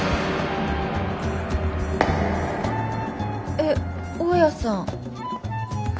えっ大家さん！？